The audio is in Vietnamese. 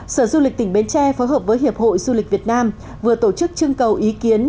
sở du lịch tỉnh bến tre phối hợp với hiệp hội du lịch việt nam vừa tổ chức chương cầu ý kiến